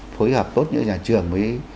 phối hợp tốt những nhà trường với